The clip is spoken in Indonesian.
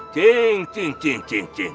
tim tim tim tim tim